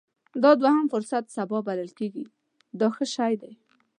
دا دوهم فرصت سبا بلل کېږي دا ښه شی دی.